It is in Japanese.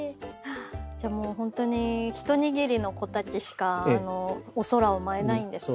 じゃあもう本当に一握りの子たちしかお空を舞えないんですね。